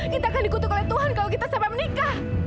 kita akan dikutuk oleh tuhan kalau kita sampai menikah